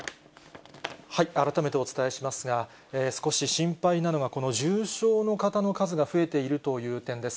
改めてお伝えしますが、少し心配なのが、この重症の方の数が増えているという点です。